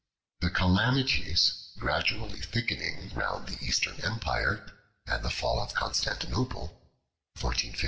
The calamities gradually thickening round the Eastern Empire, and the fall of Constantinople, 1453 A.D.